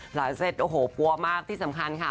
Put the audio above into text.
เซ็ตโอ้โหปัวมากที่สำคัญค่ะ